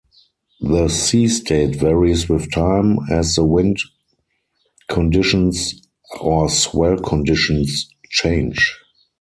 The sea state varies with time, as the wind conditions or swell conditions change.